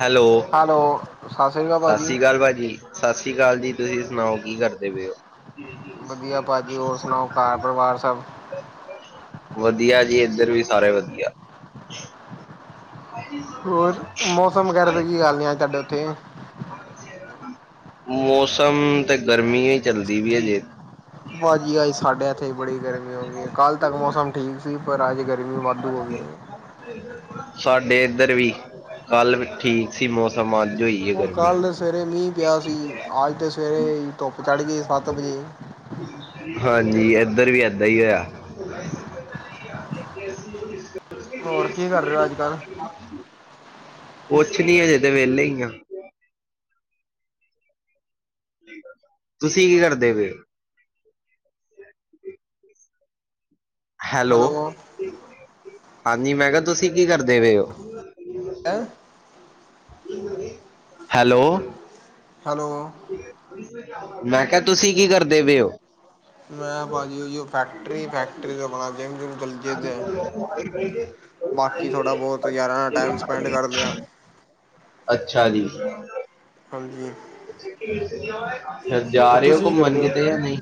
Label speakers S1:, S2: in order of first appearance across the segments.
S1: Hello,
S2: hello ਸ਼੍ਰੀ ਅਕਾਲ
S1: ਸਤਿ
S2: ਭਾਜੀ
S1: ਸ਼੍ਰੀ ਅਕਾਲ ਭਾਜੀ। ਸਤਿ ਸ੍ਰੀ ਅਕਾਲ ਜੀ, ਤੁਸੀਂ ਸੁਣਾਓ ਕੀ ਕਰਦੇ ਪਏ ਹੋ?
S2: ਵਧੀਆ ਭਾਜੀ ਹੋਰ ਸੁਣਾਓ, ਘਰ ਪਰਿਵਾਰ ਸਭ
S1: ਵਧੀਆ ਜੀ ਇੱਧਰ ਵੀ ਸਾਰੇ ਵਧੀਆ
S2: ਹੋਰ ਮੌਸਮ ਵਗੈਰਾ ਦੇ ਕੀ ਹਾਲ ਨੇ, ਅੱਜ ਤੁਹਾਡੇ ਉੱਥੇ
S1: ਮੌਸਮ ਤੇ ਗਰਮੀ ਹੀ ਚੱਲਦੀ ਵੀ ਅ ਜੇ
S2: ਭਾਜੀ ਅੱਜ ਸਾਡੇ ਇੱਥੇ ਬੜੀ ਗਰਮੀ ਹੋ ਗਈ ਹੈ, ਕੱਲ੍ਹ ਤੱਕ ਮੌਸਮ ਠੀਕ ਸੀ ਪਰ ਅੱਜ ਗਰ
S1: ਸਾਡੇ ਇੱਧਰ ਵੀ, ਕੱਲ ਠੀਕ ਸੀ ਮੌਸਮ ਸਮਾਜ ਜੋਈ,
S2: ਉਹ ਕੱਲ ਸਵੇਰੇ ਮੀਂਹ ਪਿਆ ਸੀ, ਅੱਜ ਤੇ ਸਵੇਰੇ ਧੁੱਪ ਚੜ ਗਈ ਸੱਤ ਵਜੇ
S1: ਹਾਂਜੀ, ਇਏਧਰ ਵੀ ਏਦਾਂ ਹੀ ਹੋਇਆ।
S2: ਹੋਰ ਕੀ ਕਰ ਰਹੇ ਹੋ ਅੱਜ ਕੱਲ੍ਹ
S1: ਕੁੱਛ ਨੀ ਅਜੇ ਤੇ ਵਿਹਲੇ ਹੀ ਆ। ਤੁਸੀਂ ਕੀ ਕਰਦੇ ਪਏ ੳ? ਹੈਲੋ, ਹਾਂਜੀ ਮੈਂ ਕਿਹਾ ਤੁਸੀਂ ਕੀ ਕਰਦੇ ਪਏ
S2: ਹੈਂ
S1: ਹੋ? ਹੈਲੋ।
S2: ਹੈਲੋ।
S1: ਮੈਂ ਕਿਹਾ ਤੁਸੀਂ ਕੀ ਕਰਦੇ ਪਏ ਹੋ?
S2: ਮੈਂ ਭਾਜੀੀ ਉਹ ਫੈਕਟਰੀ, ਫੈਕਟਰੀ ਦਾ ਬਣਾ
S1: ਆ ਸ ਲੋਕ
S2: ਬਾਕੀ ਥੋੜ੍ਹਾ ਬਹੁਤ ਯਾਰਾਂ ਨਾਲ ਟਾਈਮ ਸਪੈਂਡ ਕਰ ਲਿਆ
S1: ਅੱਛਾ ਜੀ।
S2: ਹਾਂਜੀ।
S1: ਜਾ ਰਹੇ ਹੋ
S2: ਤੁਸੀਂ ਕੀ
S1: ਘੁੰਮਣ
S2: ਕਰਦੇ ਹੋ
S1: ਕਿਤੇ ਜਾਂ ਨਹੀਂ,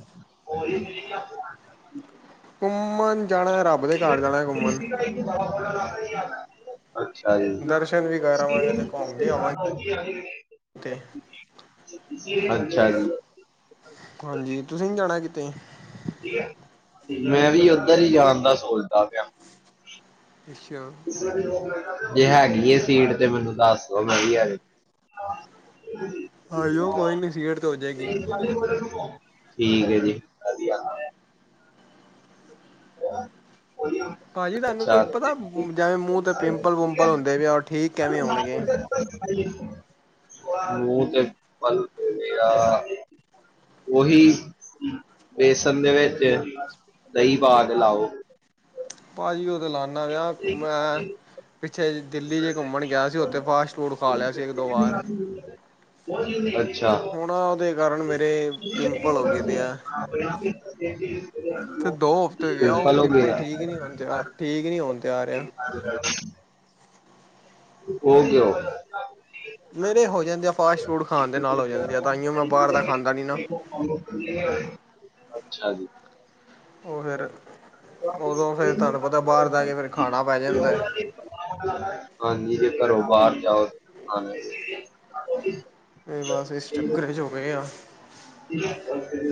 S2: ਘੁੰਮਣ ਜਾਣਾ, ਰੱਬ ਦੇ ਘਰ ਜਾਣਾ ਘੁੰਮਣ
S1: ਬਾ
S2: ਦਰਸ਼ਨ ਵੀ ਕਰ ਆਵਾਂਗੇ ਅਤੇ ਘੁੰਮ ਵੀ
S1: ਅੱਛਾ
S2: ਆਵਾਂਗੇ ਕਿਤੇ
S1: ਜੀ। ਅੱਛਾ ਜੀ।
S2: ਹਾਂਜੀ, ਤੁਸੀਂ ਨੀ ਜਾਣਾ ਕਿਤੇ?
S1: ਮੈਂ ਵੀ ਉੱਧਰ ਹੀ ਜਾਣ ਦਾ ਸੋਚਦਾ ਪਿਆ।
S2: ਅਛਾ।
S1: ਜੇ ਹੈਗੀ ਸੀਟ ਤੇ ਮੈਨੂੰ ਦੱਸ ਦੋ, ਮੈਂ ਵੀ ਅਜ
S2: ਆ ਜਾਓ ਕੋਈ ਨਹੀਂ ਸੀਟ ਤਾਂ ਹੋ ਜਾਏਗੀ
S1: ਠੀਕ ਜੀ, ਵਧੀਆ। ਅ ਹੋ
S2: ਭਾਜੀ ਤੁਹਾਨੂੰ ਕੋਈ ਪਤਾ, ਜਿਵੇਂ ਮੂੰਹ ਤੇ ਪਿੰਪਲ ਵੁੰਪਲ ਹੁੰਦੇ ਵੀ ਆ ਉਹ ਠੀਕ ਕਿਵੇਂ ਹੋਣਗੇ?
S1: ਮੂੰਹ ਤੇ ਪਿੰਪਲ ਉਹੀ ਬੇਸਨ ਦੇ ਵਿੱਚ ਦਹੀਂ ਪਾ ਕੇ ਲਾਓ।
S2: ਭਾਅ ਜੀ ਉਹ ਤੇ ਲਾਂਦਾ ਵਿਆ, ਮੈਂ ਪਿੱਛੇ ਜ ਦਿੱਲੀ ਜੇ ਘੁੰਮਣ ਗਿਆ ਸੀ, ਉੱਥੇ ਫਾਸਟ ਫੂਡ ਖਾ ਲਿਆ ਸੀ ਇੱਕ ਦੋ ਵਾਰ
S1: [unintelligible] ਬੋਤ ਜਰੂਰੀ, ਹਾਂਜੀ।
S2: ਹੁਣ ਉਦੇ ਕਾਰਨ ਮੇਰੇ ਪਿੰਪਲ ਹੋ ਗਏ ਦੇ ਆ। ਤੇ ਦੋ ਹਫ਼ਤੇ ਹੋ ਗਿਆ। ਉਹ ਪਿੰਪਲ ਠੀਕ ਨੀ ਹੋਨਣ ਤੇ, ਠੀਕ ਨੀ ਹੋਣ ਤੇ ਆ ਰਿਹਾ।
S1: [unintelligible] ਉਹ ਕਿਉਂ?
S2: ਮੇਰੇ ਹੋ ਜਾਂਦੇ ਆ, ਫਾਸਟ ਫੂਡ ਖਾਣ ਦੇ ਨਾਲ ਹੋ ਜਾਂਦੇ ਆ ਤਾਂਓ ਮੈਂ ਬਾਹਰ ਦਾ ਖਾਂਦਾ ਨੀ ਨਾ।
S1: ਅੱਛਾ ਜੀ।
S2: ਉਹ ਫਿਰ
S1: [inaudible]
S2: ਉਦੋਂ ਫਿਰ ਤੁਹਾਨੂੰ ਪਤਾ ਬਾਹਰ ਦਾ ਕੇ ਫਿਰ ਖਾਣਾ ਪੈ ਜਾਂਦਾ
S1: ਹਾਂਜੀ ਜੇ ਘਰੋਂ ਬਾਹਰ ਜਾਓ ਹਾਂਜੀ।
S2: ਇਹ ਬਸ ਇਸ ਚੱਕਰ ਚ ਹੋ ਗਏ ਆ।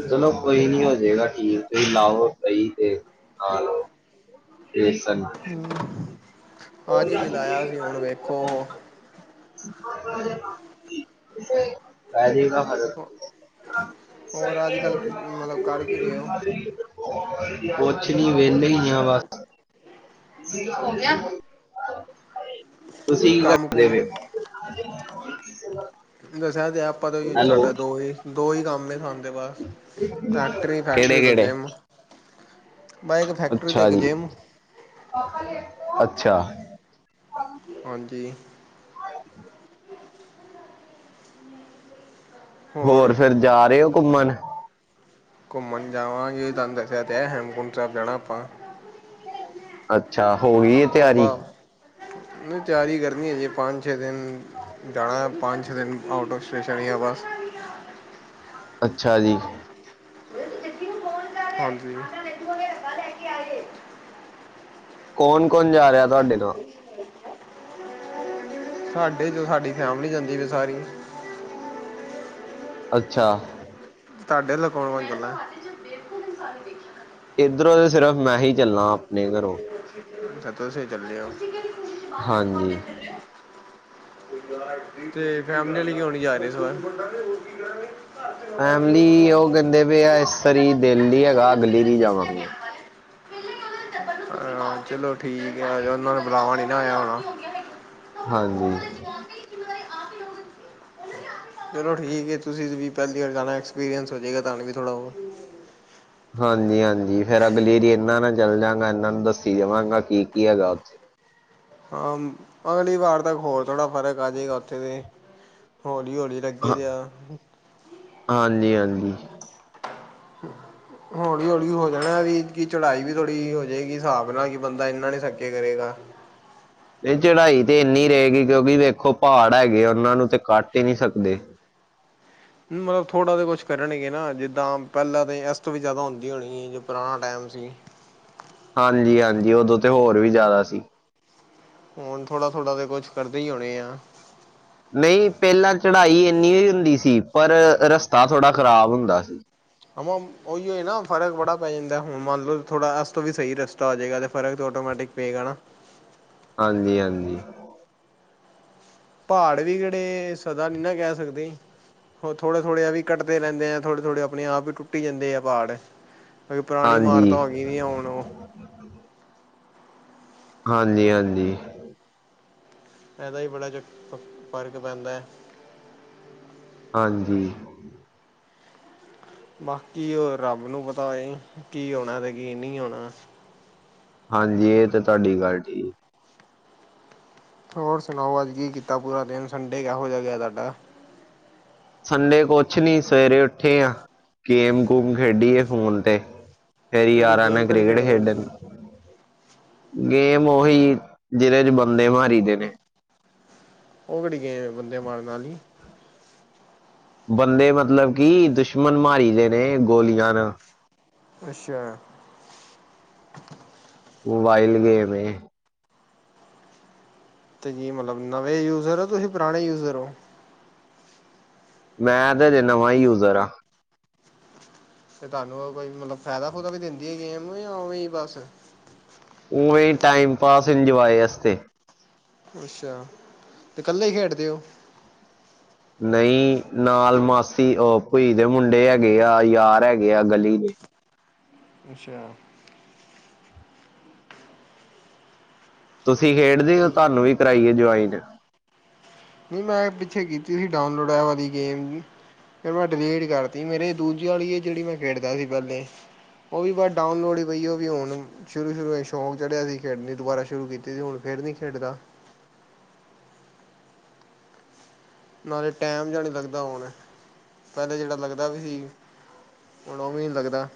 S1: ਚਲੋ ਕੋਈ ਨੀ ਹੋ ਜਏਗਾ ਠੀਕ ਏ, ਤੁਸੀਂ ਲਾਓ ਸਹੀ ਤੇ ਖਾ ਲਓ ਬੇਸਨ
S2: ਅੱਜ ਵੀ ਲਾਇਆ ਸੀ ਹੁਣ ਵੇਖੋ ਓਹ
S1: [inaudible] [inaudible]
S2: ਹੋਰ ਅੱਜ ਕੱਲ੍ਹ ਕੀ ਮਤਲਬ ਕਰ ਕੀ ਰਹੇ ਹੋ
S1: ਕੁਛ ਨੀ ਵੇੈਲੇ ਇ ਆ ਬਸ ਤੁਸੀਂ ਕੀ
S2: ਕੰਮ
S1: ਕਰਦੇ
S2: ਕੁਮ
S1: ਪਏ ਓ?
S2: ਦੱਸਿਆ ਤੇ ਏ, ਆਪਾਂ ਤੇ ਓਹੀ
S1: ਹੈਲੋ
S2: ਸਾਡਾ ਦੋ ਈ, ਦੋ ਈ ਕੰਮ ਏ ਸਾਨੂੰ ਓ ਦੇ ਬਾਦ, ਫੈਕਟਰੀ
S1: ਕਿਹੜੇ
S2: ਫੈਕਟਰੀ ਤੋਂ
S1: ਕਿਹੜੇ
S2: ਜੇਮ
S1: ਅੱਛਾ ਜੀ,
S2: ਜਿੰਮ
S1: ਅੱਛਾ।
S2: ਹਾਂਜੀ।
S1: [unintelligible] ਹੋਰ ਫਿਰ ਜਾ ਰਹੇ ਓ ਘੁੰਮਣ?
S2: ਘੁੰਮਣ ਜਾਵਾਂਗੇ ਤਾਨੂੰ ਦੱਸਿਆ ਤੇ ਏ, ਹੇਮਕੁੰਟ ਸਾਹਿਬ ਜਾਣਾ ਆਪਾਂ।
S1: ਅੱਛਾ ਹੋ ਗਈ ਏ ਤੇਆਰੀ?
S2: ਨੀ ਤੇਆਰੀ ਕਰਨੀ ਏ ਹਜੇ ਪੰਜ-ਛੇ ਦਿਨ ਜਾਣਾ ਪੰਜ-ਛੇ ਦਿਨ ਆਊਟ ਆਫ ਸਟੇਸ਼ਨ ਹੀ ਯਾ ਬਸ
S1: ਅੱਛਾ ਜੀ।
S2: ਹਾਂਜੀ।
S1: ਕੌਣ-ਕੌਣ ਜਾ ਰਿਹਾ ਤਾਡੇ ਤੋਂ?
S2: ਸਾਡੇ ਜੋ ਸਾਡੀ ਫੈਮਲੀ ਜਾਂਦੀ ਵੀ ਸਾਰੀ
S1: ਅੱਛਾ।
S2: ਤਾਡੇ ਅਲੋ ਕੌਣ-ਕੌਣ ਚੱਲਾਂ? ਏਨੇ ਬੇਵਕੂਫ ਇਨਸਾਨ ਨੀ ਦੇਖੇ ਮੈਂ
S1: ਏਧਰੋਂ ਤੇ ਸਿਰਫ਼ ਮੈਂ ਹੀ ਚੱਲਣਾ ਆਪਣੇ ਘਰੋਂ।
S2: ਤਾ ਤੁਸੀ ਚੱਲੇ ੳ।
S1: ਹਾਂਜੀ।
S2: ਤੇ ਫੈਮਲੀ ਆਲੇ ਕਿਉ ਨੀ ਜਾ ਰਹੇ ਏਸ ਵਾਰ?
S1: ਫੈਮਿਲੀ ਉਹ ਕੇਦੇ ਵੀ ਇਸ ਆਰੀ ਦੇਲ ਨੀ ਹੈਗਾ ਅਗਲੀ ਆਰੀ ਜਾਵਾਂਗੇ।
S2: ਹਾਂ ਚਲੋ ਠੀਕ ਆ ਉਹਨਾਂ ਨੂੰ ਬੁਲਾਵਾਂ ਨੀ ਨਾ ਆਯਾ ਹੋਣਾ।
S1: ਹਾਂਜੀ।
S2: ਚਲੋ ਠੀਕ ਏ, ਤੁਸੀਂ ਵੀ ਪੇਲੀ ਵਾਰ ਜਾਣਾ ਐਕਸਪੀਰੀਅੰਸ ਹੋ ਜਾਏਗਾ ਤਾਨੂੰ ਵੀ ਥੋੜਾ ਬੋਤ
S1: ਹਾਂਜੀ-ਹਾਂਜੀ ਫੇਰ ਅਗਲੀਰੀ ਇਹਨਾਂ ਨਾਲ ਚੱਲ ਜਾਂਗਾ ਇਹਨਾਂ ਨੂੰ ਦੱਸੀ ਜਾਵਾਂਗਾ ਕੀ-ਕੀ ਹੈਗਾ ਉੱਥੇ।
S2: ਹਾਂ ਅਗਲੀ ਵਾਰ ਤੱਕ ਹੋਰ ਥੋੜਾ ਫ਼ਰਕ ਆ ਜਾਏਗਾ ਉੱਥੇ ਤੇ ਹੌਲੀ-ਹੌਲੀ ਲੱਗੇ
S1: ਹਾਂ
S2: ਦੇ ਆ
S1: ਹਾਂਜੀ-ਹਾਂਜੀ।
S2: ਹਮ [unintelligible] ਹੋਲੀ-ਹੋਲੀ ਹੋ ਜਾਨਾ ਵੀ ਕੀ ਚੜਾਈ ਵੀ ਥੋੜੀ ਹੋ ਜਾਏਗੀ ਸਾਬ ਨਾਲ ਕਿ ਬੰਦਾ ਏਨਾਂ ਨੀ ਥੱਕੇ ਕਰੇਗਾ।
S1: ਤੇ ਚੜਾਈ ਤੇ ਏਨੀ ਰਏਗੀ ਕਿਓਂਕਿ ਵੇਖੋ ਪਹਾੜ ਹੈਗੇ ਓਨਾਂ ਨੂੰ ਤੇ ਕੱਟ ਈ ਨਈ ਸਕਦੇ।
S2: ਮਤਲਬ ਥੋੜ੍ਹਾ ਜਾ ਕੁਛ ਕਰਨਗੇ ਨਾ ਜਿੱਦਾਂ ਪੈਲਾਂ ਤੇ ਇਸ ਤੋ ਵੀ ਜ਼ਾਦਾ ਹੁੰਦੀ ਹੋਨੀ ਜੇ ਪੁਰਾਣਾ ਟੈਮ ਸੀ।
S1: ਹਾਂਜੀ-ਹਾਂਜੀ ਓਦੋਂ ਤੇ ਹੋਰ ਵੀ ਜ਼ਾਦਾ ਸੀ।
S2: ਹੁਨ ਥੋੜਾ-ਥੋੜਾ ਤੇ ਕੁੱਛ ਕਰਦੇ ਈ ਹੋਨੇ ਆ।
S1: ਨਈ ਪੈਲਾਂ ਚੜਾਈ ਇੰਨੀ ਨੀ ਹੁੰਦੀ ਸੀ ਪਰ ਰਸਤਾ ਥੋੜ੍ਹਾ ਖ਼ਰਾਬ ਹੁੰਦਾ ਸੀ।
S2: ਹਮ ਓਈਓ ਨਾ ਫਰਕ ਬੜਾ ਪੈ ਜਾਂਦਾ ਹੁਨ ਮੰਨ ਲੋ ਥੋੜ੍ਹਾ ਐਸ ਤੋਂ ਵੀ ਸਈ ਰਸਤਾ ਆ ਜੇਗਾ ਤੇ ਫਰਕ ਤੇ ਆਟੋਮੈਟਿਕ ਪਏਗਾ ਨਾ
S1: ਹਾਂਜੀ-ਹਾਂਜੀ।
S2: ਪਾੜ ਵੀ ਕੇੜੇ ਸਦਾ ਨੀ ਨਾ ਕੈ ਸਕਦੇ। ਓ ਥੋੜੇ-ਥੋੜੇ ਵੀ ਕਟਦੇ ਰੈਂਦੇ ਆ ਥੋੜੇ-ਥੋੜੇ ਆਪਨੇ ਆਪ ਵੀ ਟੁੱਟੀ ਜਾਂਦੇ ਐ ਪਾੜ ਕਿਓਂਕਿ ਪੁਰਾਨੀ ਇਮਾਰਤਾਂ
S1: ਹਾਂਜੀ,
S2: ਹੋ ਗਈਆਂ ਹੁਨ ਓ।
S1: ਹਾਂਜੀ-ਹਾਂਜੀ।
S2: ਏਹਦਾ ਵੀ ਬੜਾ ਚ ਫਰਕ ਪੈਂਦਾ।
S1: ਹਾਂਜੀ
S2: ਬਾਕੀ ਓ ਰੱਬ ਨੂੰ ਪਤਾ ਏ, ਕੀ ਹੋਨਾ ਤੇ ਕੀ ਨਈ ਹੋਨਾ।
S1: ਹਾਂਜੀ ਏ ਤੇ ਤੁਆਡੀ ਗੱਲ ਠੀਕ।
S2: ਹੋਰ ਸੁਨਾਓ ਅੱਜ ਕੀ ਕੀਤਾ ਪੂਰਾ ਦਿਨ ਸੰਡੇ ਕਿਹੋ ਜਾ ਗੇਆ ਤੁਆਡਾ।
S1: ਸੰਡੇ ਕੁਛ ਨੀ ਸਵੇਰੇ ਉੱਠੇ ਆਂ, ਗੇਮ ਗੂਮ ਖੇਡੀਏ ਫੋਨ ਤੇ। ਤੇਰੇ
S2: ਕਿਹੜੀ
S1: ਯਾਰ ਆਨਾ
S2: ਗੇਮ ਕਿਹੜੀ
S1: ਕ੍ਰਿਕਟ
S2: ਖੇਡਦੇ ਤੁਸੀਂ?
S1: ਖੇਡਨ ਗੇਮ ਓਹੀ ਜਿਦੇ ਚ ਬੰਦੇ ਮਾਰੀ ਦੇ ਨੇ।
S2: ਓ ਕੇੜੀ ਗੇਮ ਏ ਬੰਦੇ ਮਾਰਨ ਆਲੀ।
S1: ਬੰਦੇ ਮਤਲਬ ਕੀ ਦੁਸ਼ਮਨ ਮਾਰੀ ਦੇ ਨੇ ਗੋਲੀਆਂ ਨਾਲ।
S2: ਅੱਛੇਆ।
S1: ਮੋਬਾਈਲ ਗੇਮ ਏ।
S2: ਤੁਸੀਂ ਮਤਲਬ ਨਵੇਂ ਯੂਜ਼ਰ ਓਂ ਤੁਸੀਂ ਪੁਰਾਨੇ ਯੂਜ਼ਰ ਓਂ।
S1: ਮੈਂ ਤੇ ਹਜੇ ਨਵਾਂ ਈ ਯੂਜਰ ਆਂ।
S2: ਤੇ ਤਾਨੂੰ ਓ ਕੋਈ ਮਤਲਬ ਫੈਦਾ ਫੂਦਾ ਵੀ ਦਿੰਦੀ ਐ ਗੇਮ ਜਾਂ ਓਵੇਂ ਈ ਬਸ
S1: ਉਈਂ ਟਾਈਮ ਪਾਸ ਇੰਜੋਏ ਵਾਸਤੇ।
S2: ਅੱਛੇਆ, ਤੇ ਇਕੱਲੇ ਈ ਖੇਡਦੇ ਓਂ।
S1: ਨਈ ਨਾਲ ਮਾਸੀ ਓ ਭਈ ਦੇ ਮੁੰਡੇ ਹੈਗੇ ਆ ਯਾਰ ਹੈਗੇ ਆ ਗਲੀ ਦੇ।
S2: ਅੱਛੇਆ।
S1: ਤੁਸੀਂ ਖੇਡਦੇ ਓ ਤਾਨੂੰ ਵੀ ਕਰਾਈਏ ਜੁਆਇਨ।
S2: ਨਈ ਮੈਂ ਪਿੱਛੇ ਕੀਤੀ ਸੀ ਡਾਊਨਲੋਡ ਐ ਵਾਲੀ ਗੇਮ ਵੀ। ਫਿਰ ਮੈਂ ਡਿਲੀਟ ਕਰਤੀ ਮੇਰੇ ਦੂਜੇ ਆਲੀ ਐ ਜੇੜੀ ਮੈਂ ਖੇਡਦਾ ਸੀ ਪੈਲੇ। ਓ ਵੀ ਬਸ ਡਾਊਨਲੋਡ ਈ ਪਈਐ ਓ ਵੀ ਹੁਨ ਸ਼ੁਰੂ-ਸ਼ੁਰੂ ਚ ਸ਼ੌਂਕ ਚੜਿਆ ਸੀ ਖੇਡਨੀ ਦੁਬਾਰਾ ਸ਼ੁਰੂ ਕੀਤੀ ਸੀ ਹੁਨ ਫੇਰ ਨੀ ਖੇਡਦਾ। ਨਾਲੇ ਟੈਮ ਜਾ ਨੀ ਲੱਗਦਾ ਹੁਨ, ਪੈਲੇ ਜੇੜਾ ਲੱਗਦਾ ਵੀ ਸੀ। ਹੁਨ ਓ ਵੀ ਨੀ ਲੱਗਦਾ।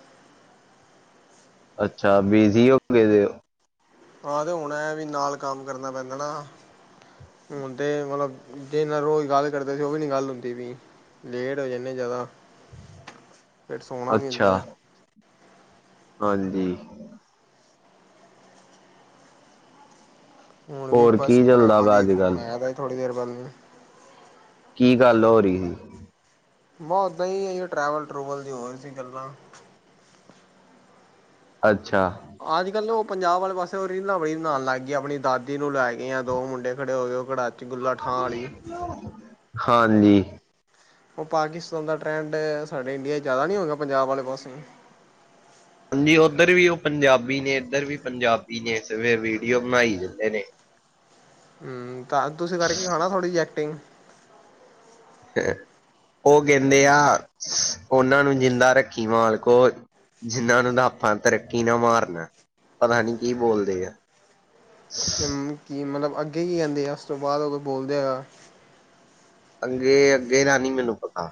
S1: ਅੱਛਾ ਬਿਜੀ ਹੋ ਗਏ ਦੇ।
S2: ਆਹ ਤੇ ਹੋਨਾ ਵੀ ਨਾਲ ਕੰਮ ਕਰਨਾ ਪੈਂਦਾ ਨਾ। ਹੁਨ ਤੇ ਮਤਲਬ ਜੀਦੇ ਨਾਲ ਰੋਜ਼ ਗੱਲ ਕਰਦੇ ਸੀ ਓ ਵੀ ਨੀ ਗੱਲ ਹੁੰਦੀ ਪਈ ਵੀ। ਲੇਟ ਹੋ ਜਾਂਦੇ ਜਿਆਦਾ, ਫਿਰ ਸੋਹਣਾ ਵੀ ਹੁੰਦਾ।
S1: ਅੱਛਾ ਹਾਂਜੀ।
S2: ਹੁਣ ਵੀ
S1: ਹੋਰ
S2: ਬਸ
S1: ਕੀ ਚੱਲਦਾ
S2: ਭਰਾਵਾਂ
S1: ਪਿਆ
S2: ਦੀ
S1: ਅੱਜ ਕੱਲ
S2: ਫੋਨ ਆਇਆ ਤ ਥੋੜ੍ਹੀ ਦੇਰ ਬਾਅਦ।
S1: ਕੀ ਗੱਲ ਹੋ ਰਹੀ ਹੈ।
S2: ਬੈਂ ਉੱਦਾਂ ਹੀ ਹੈ ਟਰੈਵਲ, ਟਰੂਵਲ ਦੀ ਹੋਰਹੀ ਸੀ ਗੱਲਾਂ।
S1: ਅੱਛਾ।
S2: ਅੱਜ ਕੱਲ੍ਹ ਉਹ ਪੰਜਾਬ ਵਾਲੇ ਪਾਸੇ ਉਹ ਰੀਲਾਂ ਬੜੀਆ ਬਨਾਣ ਲੱਗ ਗਈ, ਆਪਣੀ ਦਾਦੀ ਨੂੰ ਲੈ ਕੇ ਆ ਦੋ ਮੁੰਡੇ ਖੜੇ ਹੋਏ, ਉਹ ਖੜਾ
S1: ਹਾਂਜੀ।
S2: ਉਹ ਪਾਕਿਸਤਾਨ ਦਾ ਟਰੈਂਡ ਸਾਡੇ ਇੰਡੀਆ 'ਚ ਜ਼ਿਆਦਾ ਨਹੀਂ ਹੋ ਗਿਆ, ਪੰਜਾਬ ਵਾਲੇ ਪਾਸੇ।
S1: ਹਾਂਜੀ ਉੱਧਰ ਵੀ ਉਹ ਪੰਜਾਬੀ ਨੇ, ਇੱਧਰ ਵੀ ਪੰਜਾਬੀ ਨੇ, ਵੀਡੀਓ ਬਣਾਈ ਜਾਂਦੇ ਨੇ।
S2: ਹਮ ਤਾਂ, ਤੁਸੀਂ ਕਰਕੇ ਖਾਣਾ ਥੋੜ੍ਹੀ ਜਿ ਐਕਟਿੰਗ।
S1: ਉਹ ਕਹਿੰਦੇ ਆ, ਉਹਨਾਂ ਨੂੰ ਜਿੰਦਾ ਰੱਖੀ ਮਾਲਕੋ। ਜਿਨਾਂ ਨੂੰ ਤਾਂ ਆਪਾਂ ਤਰੱਕੀ ਨਾ ਮਾਰਨਾ, ਪਤਾ ਨਹੀਂ ਕੀ ਬੋਲਦੇ ਆ। ਹ।
S2: ਕਿ ਮਤਲਬ ਅੱਗੇ ਕੀ ਕਹਿੰਦੇ ਆ, ਉਸ ਤੋਂ ਬਾਅਦ ਉਹ ਕੋਈ ਬੋਲਦੇ ਹਾ
S1: ਅੱਗੇ, ਅੱਗੇ ਦਾ ਨੀ ਮੈਨੂੰ ਪਤਾ।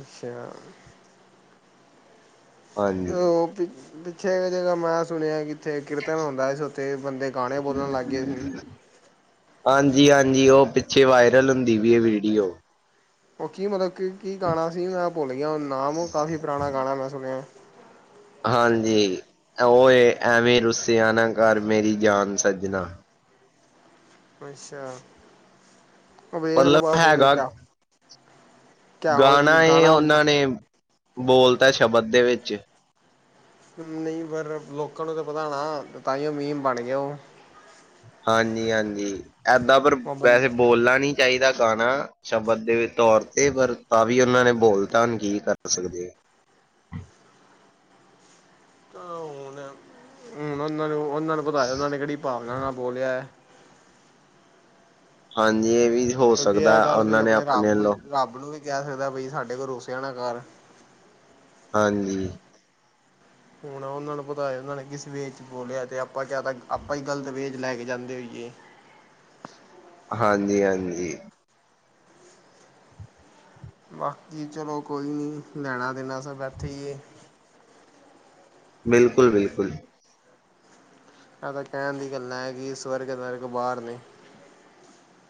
S2: ਅੱਛਾ।
S1: ਹਾਂਜੀ
S2: ਉਹ ਪਿੱਛੇ ਜ੍ਹ ਮੈਂ ਸੁਣਿਆ ਕਿ ਉੱਥੇ ਕੀਰਤਨ ਹੁੰਂਦਾ ਸੀ ਉੱਥੇ ਬੰਦੇ ਗਾਣੇ ਬੋਲਣ ਲੱਗ ਗਏ ਸੀ।
S1: ਹਾਂਜੀ ਹਾਂਜੀ, ਉਹ ਪਿੱਛੇ ਵਾਇਰਲ ਹੁੰਦੀ ਵੀ ਇਹ ਵੀਡੀਓ।
S2: ਉਹ ਕੀ ਮਤਲਬ ਕਿ ਕੀ ਗਾਣਾ ਸੀ, ਮੈਂ ਭੁੱਲ ਗਿਆ ਨਾਮ ਉਹ ਕਾਫੀ ਪੁਰਾਣਾ ਗਾਣਾ ਮੈਂ ਸੁਣਿਆ
S1: ਹਾਂਜੀ, ਉਹ ਐ ਵੇਂ ਐਵੇਂ ਰੁੱਸੇਿਆ ਨਾ ਘਰ ਮੇਰੀ ਜਾਨ ਸੱਜਣਾ
S2: ਅੱਛਾ, ਵੇਖਲ
S1: ਮਤਲਬ
S2: ਬਸ
S1: ਹੈਗਾ
S2: ਕਿਆ ਕਿਆ ਹੋ
S1: ਗਾਣਾ ਇਹ ਉਹਨਾਂ ਨੇ, ਬੋਲਤਾ ਸ਼ਬਦ ਦੇ ਵਿੱਚ
S2: ਨਹੀਂ ਪਰ ਲੋਕਾਂ ਨੂੰ ਤਾਂ ਪਤਾ ਨਾ, ਉਹ ਮੁੀਮ ਬਣ ਗਿਆ ਉਹ
S1: ਹਾਂਜੀ, ਹਾਂਜੀ ਏਦਾਂ ਪਰ
S2: ਹੁਣ
S1: ਵੈਸੇ ਬੋਲਣਾ ਨੀ ਚਾਹੀਦਾ ਗਾਣਾ ਸ਼ਬਦ ਦੇ ਤੌਰ ਤੇ, ਪਰ ਤਾਂ ਵੀ ਉਹਨਾਂ ਨੇ ਬੋਲ ਤਾ ਕੀ ਕਰ ਸਕਦੇ
S2: ਹੁਣ, ਹੁਣ ਉਹਨਾਂ ਨੂੰ ਉਹਨਾਂ ਨੂੰ ਪਤਾ ਉਹਨਾਂ ਨੇ ਕਿਹੜੀ ਭਾਵਨਾ ਨਾਲ ਬੋਲਿਆ ਹੈ।
S1: ਹਾਂਜੀ ਇਹ ਵੀ ਹੋ
S2: ਵਡੀ ਇਹ
S1: ਸਕਦਾ
S2: ਗੱਲ ਕੋਈ
S1: ਉਹਨਾਂ ਨੇ
S2: ਆਪਣੇ ਰੱਬ,
S1: ਵੱਲੋਂ
S2: ਰੱਬ ਨੂੰ ਵੀ ਕਹਿ ਸਕਦਾ ਬਈ ਸਾਡੇ ਕੋਲ ਰੁਸਿਆ ਨਾ ਕਰ
S1: ਹਾਂਜੀ।
S2: ਹੁਣ ਉਹਨਾਂ ਨੂੰ ਪਤਾ ਉਹਨਾਂ ਨੇ ਕਿਸ ਵੇ ਚ' ਬੋਲਿਆ ਤੇ ਆਪਾਂ ਕਿਆ ਆਪਾਂ ਹੀ ਗ਼ਲਤ ਵੇ ਲੈ ਕੇ ਜਾਂਦੇ ਹੋਏ
S1: ਹਾਂਜੀ, ਹਾਂਜੀ।
S2: ਬਾਕੀ ਚਲੋ ਕੋਈ ਨਹੀਂ, ਲੈਣਾ ਦੇਣਾ ਸਭ ਇਥੇ ਹੀ ਏ
S1: ਬਿਲਕੁਲ, ਬਿਲਕੁਲ
S2: ਇਹ ਤਾਂ ਕਹਿਣ ਦੀ ਗੱਲਾਂ ਹੈ ਕਿ, ਸਵਰਗ ਸਵਰਗ ਬਾਹਰ ਨੇ